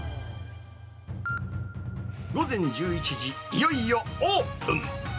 午前１１時、いよいよオープン。